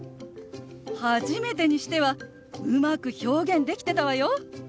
初めてにしてはうまく表現できてたわよ。